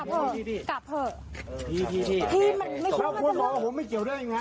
กลับเผอกลับเผอที่ที่ไม่คิดว่าจะเร็วแล้วคุณรอผมไม่เกี่ยวได้ยังไง